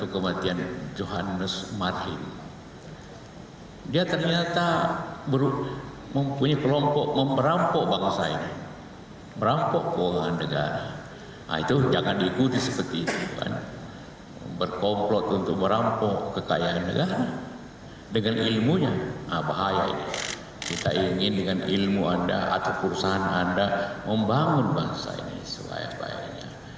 kita ingin dengan ilmu anda atau perusahaan anda membangun bangsa ini sebaik baiknya